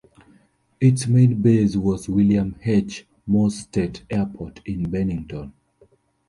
Its main base was William H. Morse State Airport in Bennington.